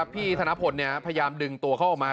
พี่ธนพลพยายามดึงตัวเขาออกมา